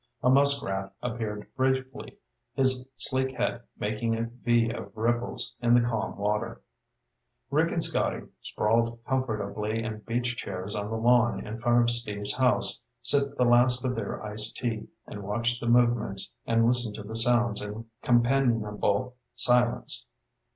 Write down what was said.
A muskrat appeared briefly, his sleek head making a V of ripples in the calm water. Rick and Scotty, sprawled comfortably in beach chairs on the lawn in front of Steve's house, sipped the last of their iced tea, and watched the movements and listened to the sounds in companionable silence.